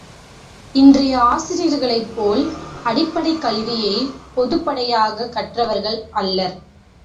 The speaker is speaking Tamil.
இன்றைய ஆசிரியர்களைப்போல் அடிப்படைக் கல்வியைப் பொதுப்படையாகக் கற்றவர்கள் அல்லர்.